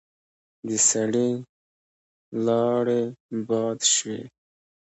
د سړي لاړې باد شوې.